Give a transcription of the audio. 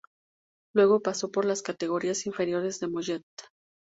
Luego, pasó por las categorías inferiores del Mollet.